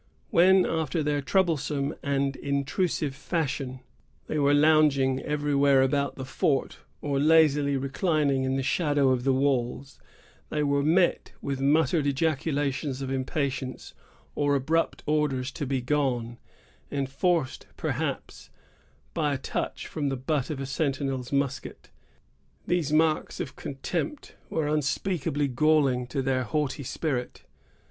When, after their troublesome and intrusive fashion, they were lounging everywhere about the fort, or lazily reclining in the shadow of the walls, they were met with muttered ejaculations of impatience, or abrupt orders to be gone, enforced, perhaps, by a touch from the butt of a sentinel's musket. These marks of contempt were unspeakably galling to their haughty spirit.